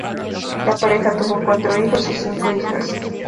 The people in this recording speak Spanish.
La pareja tuvo cuatro hijos y cinco hijas.